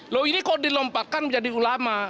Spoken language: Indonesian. loh ini kok dilompatkan menjadi ulama